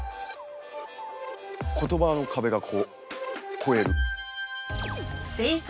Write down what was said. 言葉の壁がこう越える。